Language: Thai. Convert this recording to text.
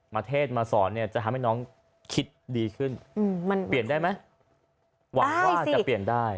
ประเทศมาสอนเนี่ยจะทำให้น้องคิดดีขึ้นมันเปลี่ยนได้ไหมหวังว่าจะเปลี่ยนได้